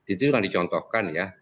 itu yang dicontohkan ya